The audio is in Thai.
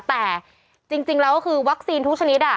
แต่จริงแล้วก็คือวัคซีนทุกชนิด